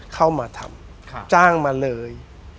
เข้ามาทำจ้างมาเลย